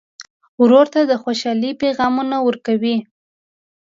ورور ته د خوشحالۍ پیغامونه ورکوې.